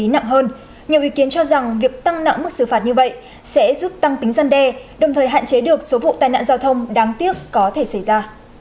nhiều ý kiến cho rằng việc tăng nặng mức xử phạt như vậy sẽ giúp tăng tính dân đe đồng thời hạn chế được số vụ tai nạn giao thông đáng tiếc có thể xảy ra